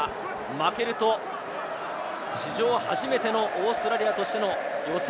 負けると史上初めてのオーストラリアとしての予選